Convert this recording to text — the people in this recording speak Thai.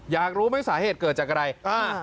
อยากรู้ไหมสาเหตุเกิดจากอะไรอ่า